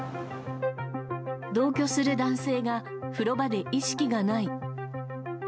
同居する男性が風呂場で意識がない。